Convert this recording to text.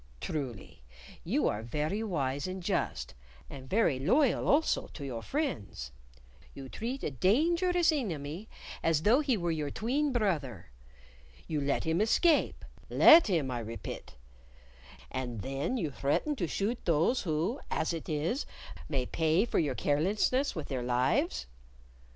Truly, you are very wise and just, and very loyal also to your friends. You treat a dangerous enemy as though he were your tween brother. You let him escape let him, I repit and then you threaten to shoot those who, as it is, may pay for your carelessness with their lives.